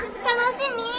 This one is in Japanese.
楽しみ！